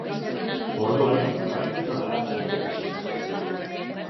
Orduan Bartzelonara joan zen bizitzera.